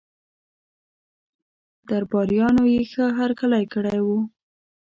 درباریانو یې ښه هرکلی کړی وو.